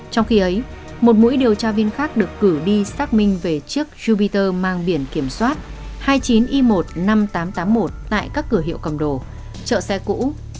trong khi ấy một mũi điều tra viên khác được cử đi xác minh về chiếc jupiter mang biển kiểm soát hai mươi chín i một mươi năm nghìn tám trăm tám mươi một tại các cửa hiệu cầm đồ chợ xe cũ